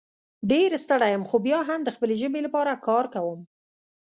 ډېر ستړی یم خو بیا هم د خپلې ژبې لپاره کار کوم